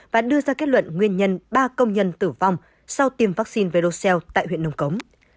và đưa ra kết luận nguyên nhân ba công nhân tử vong sau tiêm vaccine voxelle tại huyện nông cống